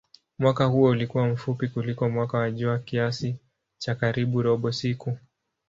Mwaka huo ulikuwa mfupi kuliko mwaka wa jua kiasi cha karibu robo siku.